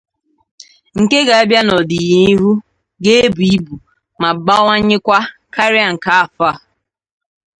Nke ga-abịa nʻọdịnihu ga-ebu ibu ma banwanyekwa karịa nke afọ a.